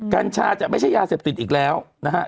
กัญชาจะไม่ใช่ยาเสพติดอีกแล้วนะฮะ